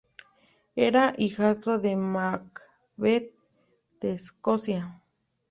Era hijastro de Macbeth de Escocia.